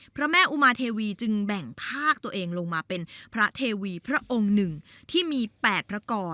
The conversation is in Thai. พระแม่อุมาเทวีจึงแบ่งภาคตัวเองลงมาเป็นพระเทวีพระองค์หนึ่งที่มี๘พระกร